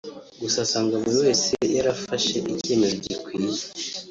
gusa asanga buri wese yarafashe icyemezo gikwiye